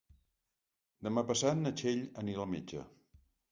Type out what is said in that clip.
Demà passat na Txell anirà al metge.